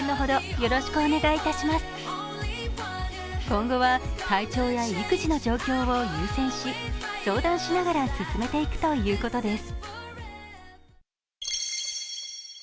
今後は体調や育児の状況を優先し、相談しながら進めていくということです。